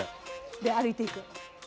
で歩いていく。